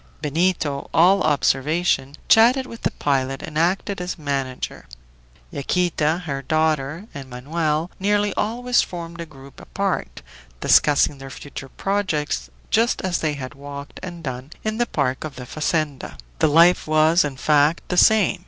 Benito, all observation, chatted with the pilot and acted as manager. Yaquita, her daughter, and Manoel, nearly always formed a group apart, discussing their future projects just as they had walked and done in the park of the fazenda. The life was, in fact, the same.